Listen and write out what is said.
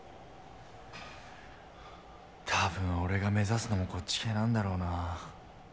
多分俺が目指すのもこっち系なんだろうなぁ。